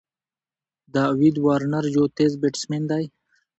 داويد وارنر یو تېز بېټسمېن دئ.